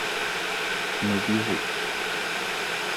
Nos bureaux.